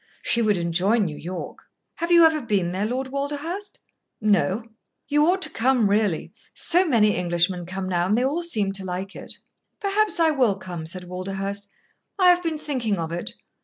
"She would enjoy New York." "Have you ever been there, Lord Walderhurst?" "No." "You ought to come, really. So many Englishmen come now, and they all seem to like it." "Perhaps I will come," said Walderhurst. "I have been thinking of it.